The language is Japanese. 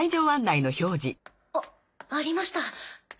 あっありました。